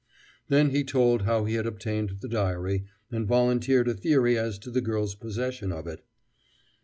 Then he told how he had obtained the diary, and volunteered a theory as to the girl's possession of it.